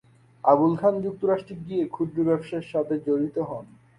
আবুল খান যুক্তরাষ্ট্রে গিয়ে ক্ষুদ্র ব্যবসার সাথে জড়িত হন।